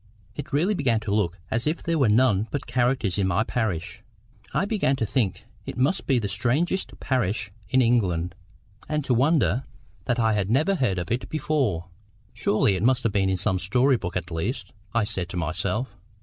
It really began to look as if there were none but characters in my parish. I began to think it must be the strangest parish in England, and to wonder that I had never heard of it before. "Surely it must be in some story book at least!" I said to myself.